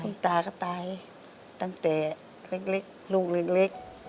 คุณตาก็ตายตั้งแต่เล็กลูกเล็ก